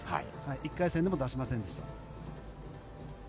１回戦でも出しませんでした。